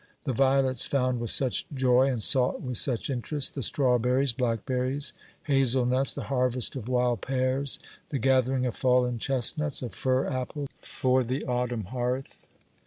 The violets found with such joy and sought with such interest ; the strawberries, black berries, hazel nuts ; the harvest of wild pears, the gathering 228 OBERMANN of fallen chestnuts, of fir apples for the autumn hearth